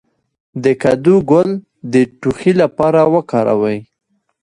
د کدو ګل د ټوخي لپاره وکاروئ